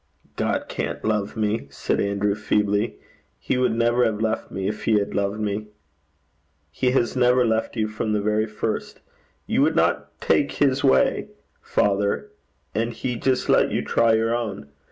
'God can't love me,' said Andrews, feebly. 'He would never have left me if he had loved me.' 'He has never left you from the very first. You would not take his way, father, and he just let you try your own.